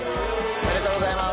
おめでとうございます。